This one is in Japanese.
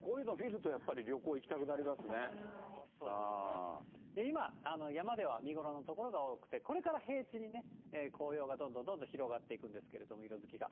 こういうのを見るとやっぱり、今、山では見頃の所が多くて、これから平地に紅葉がどんどんどんどん広がっていくんですけれども、色づきが。